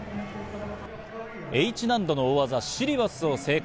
Ｈ難度の大技シリバスを成功。